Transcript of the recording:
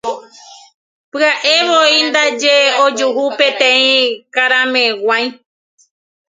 Pya'evoi ndaje ojuhu peteĩ karameg̃ua'i.